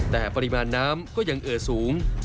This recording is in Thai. แต่ปริมาณน้ำก็ยังเอ่อสูง